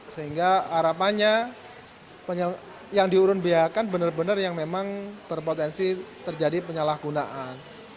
sehingga harapannya yang diurun biayakan benar benar yang memang berpotensi terjadi penyalahgunaan